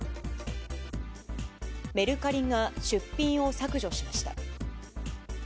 メルカリが出品を削除しました。